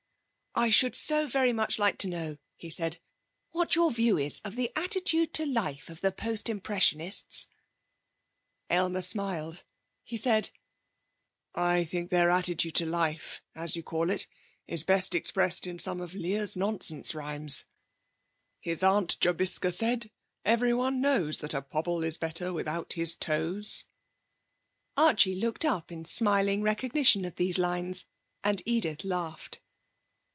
'I should so very much like to know,' he said, 'what your view is of the attitude to life of the Post Impressionists.' Aylmer smiled. He said: 'I think their attitude to life, as you call it, is best expressed in some of Lear's Nonsense Rhymes: "His Aunt Jobiska said, 'Everyone knows that a pobble is better without his toes.'"' Archie looked up in smiling recognition of these lines, and Edith laughed.